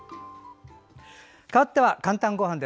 かわっては「かんたんごはん」